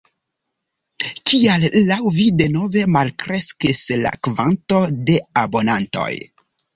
Kial laŭ vi denove malkreskis la kvanto de abonantoj?